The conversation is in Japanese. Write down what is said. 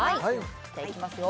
じゃいきますよ